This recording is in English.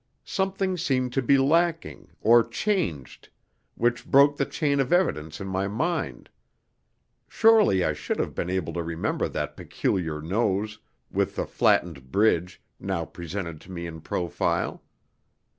Something seemed to be lacking, or changed, which broke the chain of evidence in my mind. Surely I should have been able to remember that peculiar nose, with the flattened bridge, now presented to me in profile.